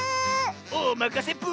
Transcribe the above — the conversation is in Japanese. おまかせぷ。